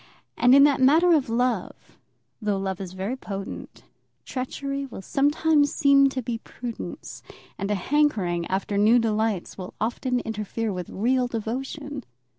And in that matter of love, though love is very potent, treachery will sometimes seem to be prudence, and a hankering after new delights will often interfere with real devotion.